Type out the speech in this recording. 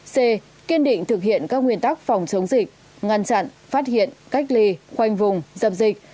c kiên định thực hiện các nguyên tắc phòng chống dịch ngăn chặn phát hiện cách ly khoanh vùng dập dịch